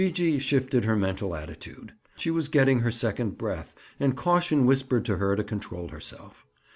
Gee gee shifted her mental attitude. She was getting her second breath and caution whispered to her to control herself.